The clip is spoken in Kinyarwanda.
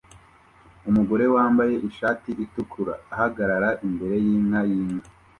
Umugore wambaye ishati itukura ahagarara imbere yinka yinka